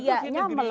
ya yang melepas